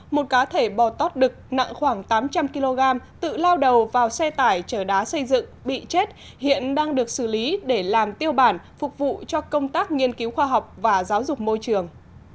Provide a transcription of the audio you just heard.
một cá thể bò tót đực nặng khoảng tám trăm linh kg tự lao đầu vào xe tải chở đá xây dựng bị chết hiện đang được xử lý để làm tiêu bản phục vụ cho công tác nghiên cứu khoa học và giáo dục môi trường